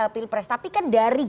pilpres tapi kan dari